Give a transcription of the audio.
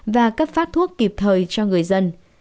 và cấp phát thuốc kịp thời cho người dân